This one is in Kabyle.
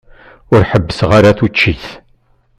Ur ḥebbseɣ ara tuččit.